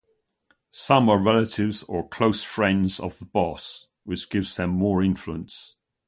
Some are relatives or close friends of the boss, which gives them more influence.